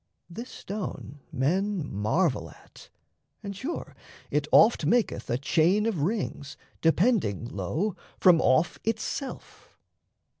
This stone men marvel at; and sure it oft Maketh a chain of rings, depending, lo, From off itself!